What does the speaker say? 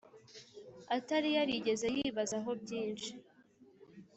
atari yarijyeze yibazaho byinshi.